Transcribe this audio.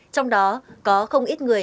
trong đó có không ít người